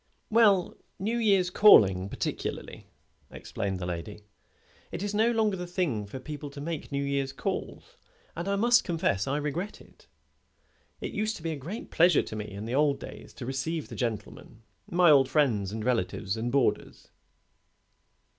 "Well, New Year's calling particularly," explained the lady. "It is no longer the thing for people to make New Year's calls, and I must confess I regret it. It used to be a great pleasure to me in the old days to receive the gentlemen my old friends, and relatives, and boarders."